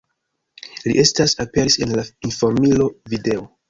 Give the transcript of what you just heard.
Li estas aperis en la Informilo Video.